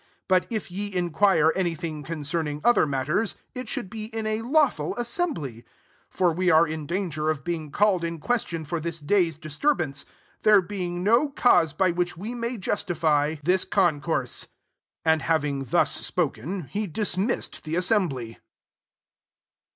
39 But if ] inquire any thing concemil other matters, it should be if lawful assembly. 40 For « are in danger of being caHedl question for this day's dhtora I ance : there being no cause M I which we may justify this coffl ACTS XX. fiS5 )utse." 41 And having thus >oken, he dismissed the as jmbly.